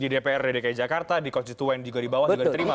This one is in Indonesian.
di dpr di dki jakarta di kjtw juga di bawah juga diterima